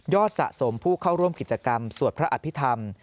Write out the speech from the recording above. สะสมผู้เข้าร่วมกิจกรรมสวดพระอภิษฐรรม